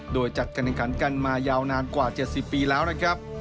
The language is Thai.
โดยจัดการแข่งขันกันมายาวนานกว่า๗๐ปีแล้วนะครับ